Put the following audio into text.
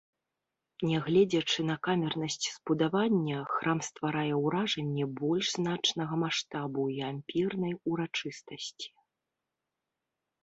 Нягледзячы на камернасць збудавання, храм стварае ўражанне больш значнага маштабу і ампірнай урачыстасці.